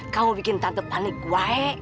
kamu bikin tante panik whe